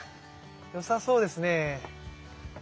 良さそうですね。